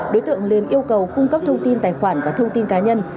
đối tượng liền yêu cầu cung cấp thông tin tài khoản và thông tin cá nhân